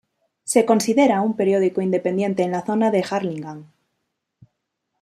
Se considera un periódico independiente en la zona de Hurlingham.